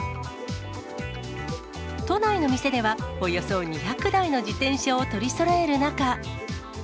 都内の店では、およそ２００台の自転車を取りそろえる中。